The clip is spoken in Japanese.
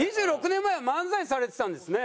２６年前は漫才されてたんですね。